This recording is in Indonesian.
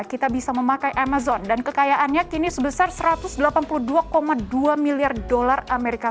kita bisa memakai amazon dan kekayaannya sebesar satu ratus delapan puluh dua dua miliar dollar as atau dua lima ratus delapan puluh enam tujuh triliun rupiah